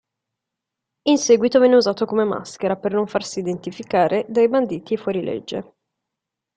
In seguito venne usato come maschera, per non farsi identificare, dai banditi e fuorilegge.